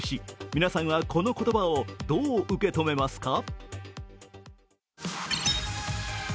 皆さんはこの言葉をどう受け止めますか？